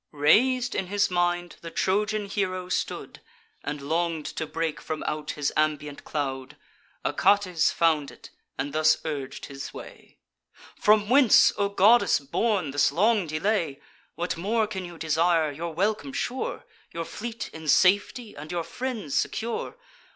Rais'd in his mind the Trojan hero stood, And long'd to break from out his ambient cloud: Achates found it, and thus urg'd his way: "From whence, O goddess born, this long delay? What more can you desire, your welcome sure, Your fleet in safety, and your friends secure?